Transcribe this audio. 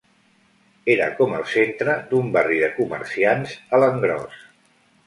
Era com el centre d'un barri de comerciants a l'engròs.